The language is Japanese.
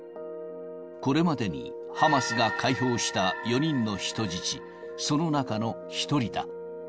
これまでにハマスが解放した４人の人質、その中の１人だ。